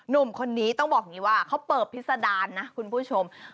หนุ่มคนนี้ต้องบอกอย่างนี้ว่าเขาเปิดพิษดารนะคุณผู้ชม